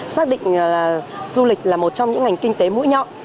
xác định du lịch là một trong những ngành kinh tế mũi nhọn